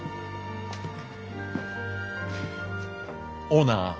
オーナー。